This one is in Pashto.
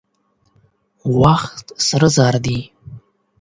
وخت سره زر دي.